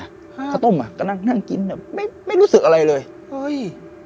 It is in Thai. ข้าวต้มอ่ะก็นั่งนั่งกินแบบไม่ไม่รู้สึกอะไรเลยเฮ้ย